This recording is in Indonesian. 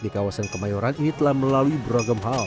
di kawasan kemayoran ini telah melalui beragam hal